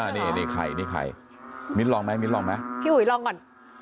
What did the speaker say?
นี่ไข่นี่ไข่มิ้นลองไหมมิ้นลองไหมพี่อุ๋ยลองก่อน